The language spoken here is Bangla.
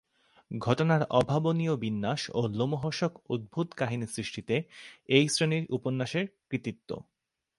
ঘটনার অভাবনীয় বিন্যাস ও লোমহর্ষক অদ্ভুত কাহিনী-সৃষ্টিতে এই শ্রেণীর উপন্যাসের কৃতিত্ব।